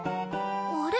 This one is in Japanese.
あれ？